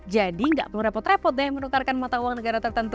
jadi nggak merepot repot deh menukarkan mata uang negara tertentu